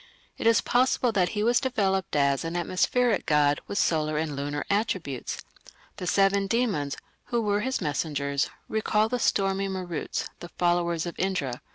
It is possible that he was developed as an atmospheric god with solar and lunar attributes. The seven demons, who were his messengers, recall the stormy Maruts, the followers of Indra.